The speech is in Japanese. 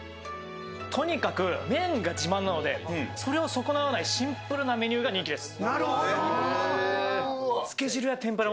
とにかく麺が自慢なのでそれを損なわないシンプルなメニューが人気です。